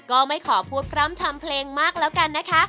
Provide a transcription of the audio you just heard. ก็ไม่ขอพูดพร่ำทำเพลงมากแล้วกันนะคะ